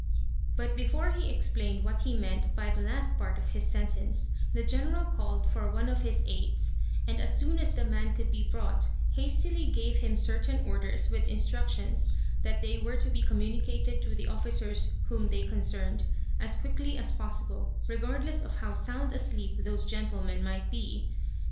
But before he explained what he meant by the last part of his sentence, the general called for one of his aids, and as soon as the man could be brought, hastily gave him certain orders with instructions that they were to be communicated to the officers whom they concerned, as quickly as was possible, regardless of how sound asleep those gentlemen might be.